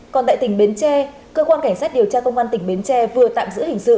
còn tại tỉnh bến tre cơ quan cảnh sát điều tra công an tỉnh bến tre vừa tạm giữ hình sự